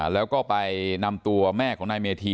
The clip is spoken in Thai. แล้วก็ไปนำตัวแม่ของนายเมธี